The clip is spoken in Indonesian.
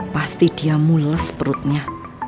pasti dia mulus perutnya